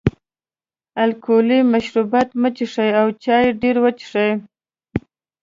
الکولي مشروبات مه څښئ او چای ډېر وڅښئ.